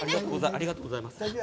ありがとうございます。